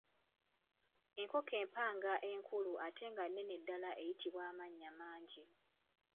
Enkoko empanga enkulu ate nga nnene ddala eyitibwa amannya mangi.